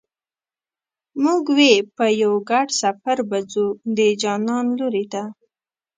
موږ وې په یو ګډ سفر به ځو د جانان لوري ته